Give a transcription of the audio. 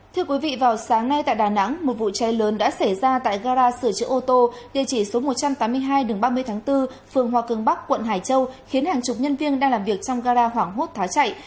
thưa quý vị vào sáng nay tại đà nẵng một vụ cháy lớn đã xảy ra tại gara sửa chữa ô tô địa chỉ số một trăm tám mươi hai đường ba mươi tháng bốn phường hòa cường bắc quận hải châu khiến hàng chục nhân viên đang làm việc trong gara hoảng hốt tháo chạy